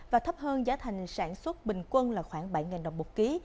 và thấp hơn giá thành sản xuất bình quân là khoảng bảy đồng một ký